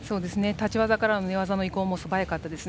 立ち技からの寝技の移行も素早かったです。